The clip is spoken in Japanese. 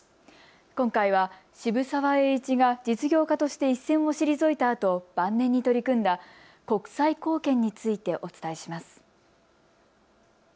今回は渋沢栄一が実業家として一線を退いたあと、晩年に取り組んだ国際貢献についてお伝えします。